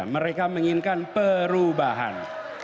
mereka menginginkan perubahan